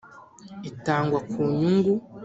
itangwa ku nyungu.